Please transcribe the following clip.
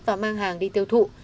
và mang hàng đi tiêu thụ